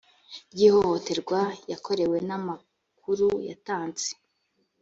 ry ihohoterwa yakorewe n amakuru yatanze